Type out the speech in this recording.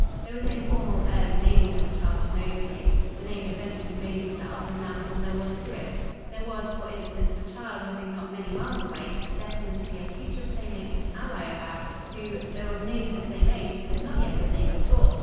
There was no formal early naming of a child in those days; the name eventually made itself, and that was all there was to it. There was, for instance, a child living not many miles away, destined to be a future playmate and ally of Ab, who, though of nearly the same age, had not yet been named at all.